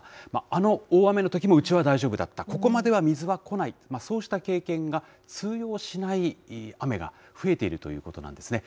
あの大雨のときも、うちは大丈夫だった、ここまでは水は来ない、経験が、通用しない雨が増えているということなんですね。